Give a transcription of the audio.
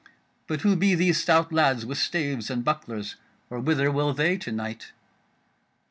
But who be these stout lads with staves and bucklers, or whither will they to night?"